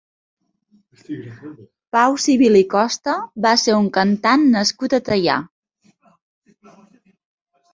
Pau Civil i Costa va ser un cantant nascut a Teià.